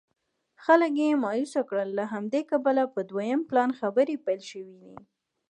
خلک یې مایوسه کړل له همدې کبله په دویم پلان خبرې پیل شوې دي.